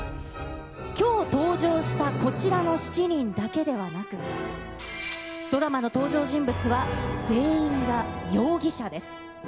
きょう登場したこちらの７人だけではなく、ドラマの登場人物は全員が容疑者です。